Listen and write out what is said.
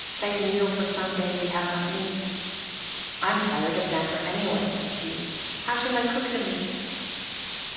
Save meal for some day we have not meat. ,," I am tired of damper anyway," said Jean. " How shall I cook the meat?